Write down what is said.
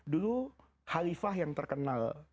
dulu halifah yang terkenal